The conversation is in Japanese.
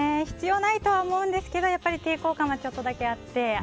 必要ないとは思うんですけど抵抗感はちょっとだけあって。